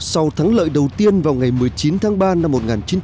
sau thắng lợi đầu tiên vào ngày một mươi chín tháng ba năm một nghìn chín trăm bảy mươi